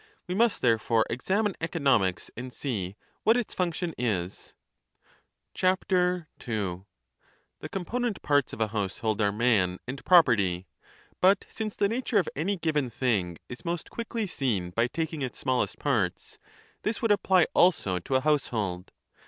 We must therefore examine economics and see what its function is. 2 The component parts of a household are man and property. But since the nature of any given thing is most quickly seen by taking its smallest parts, this would apply also to a household.